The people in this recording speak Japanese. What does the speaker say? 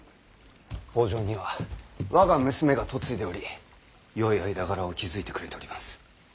北条には我が娘が嫁いでおりよい間柄を築いてくれております。